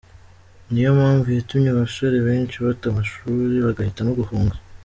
Ni yo mpavu yatumye abasore benshi bata amashuri bagahitamo guhunga.